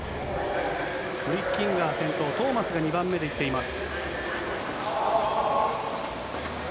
フリッキンガーが先頭、トーマスが２番目で行っています。